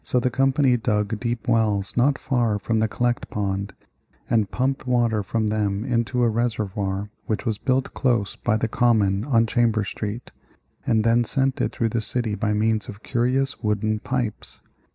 So the company dug deep wells not far from the Collect Pond, and pumped water from them into a reservoir which was built close by the Common on Chambers Street, and then sent it through the city by means of curious wooden pipes.